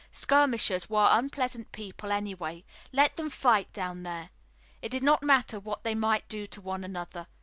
Skirmishers were unpleasant people, anyway. Let them fight down there. It did not matter what they might do to one another.